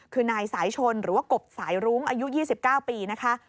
คือนายสายชนหรือว่ากบสายรุ้งอายุ๒๙ปีนะคะ